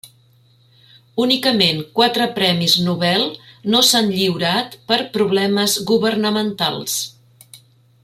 Únicament quatre premis Nobel no s'han lliurat per problemes governamentals.